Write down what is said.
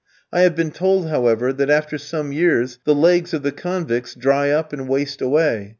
I have been told, however, that after some years the legs of the convicts dry up and waste away.